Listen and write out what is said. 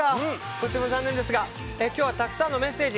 とっても残念ですが今日はたくさんのメッセージ